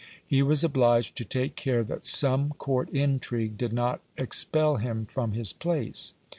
He was obliged to take care that some court intrigue did not expel him from his place.